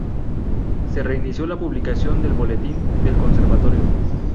Se reinició la publicación del Boletín del Conservatorio.